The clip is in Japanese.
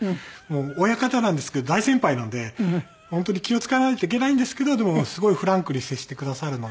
親方なんですけど大先輩なので本当に気を使わないといけないんですけどでもすごいフランクに接してくださるので。